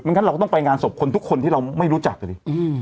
งั้นเราก็ต้องไปงานศพคนทุกคนที่เราไม่รู้จักอ่ะดิ